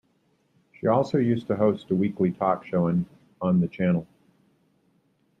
She also used to host a weekly talk show on the channel.